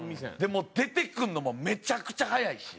出てくるのもめちゃくちゃ早いし。